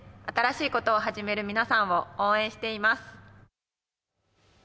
新しいことを始める皆さんを応援しています。